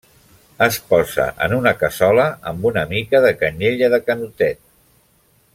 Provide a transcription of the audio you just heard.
Es posa en una cassola amb una mica de canyella de canotet.